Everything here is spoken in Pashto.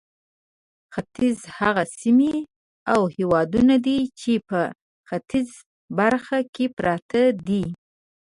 ختیځ هغه سیمې او هېوادونه دي چې په ختیځه برخه کې پراته دي.